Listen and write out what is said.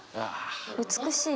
美しい。